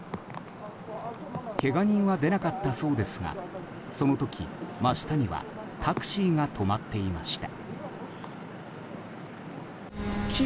けが人は出なかったそうですがその時、真下にはタクシーが止まっていました。